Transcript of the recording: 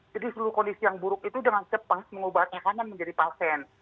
jadi seluruh kondisi yang buruk itu dengan cepat mengubah tahanan menjadi pasien